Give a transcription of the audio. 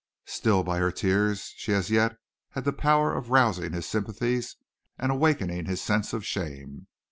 Still by her tears she as yet had the power of rousing his sympathies and awakening his sense of shame.